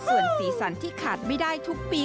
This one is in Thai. ส่วนสีสันที่ขาดไม่ได้ทุกปี